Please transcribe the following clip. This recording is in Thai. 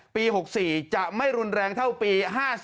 ปี๖๔จะไม่รุนแรงเท่าปี๕๔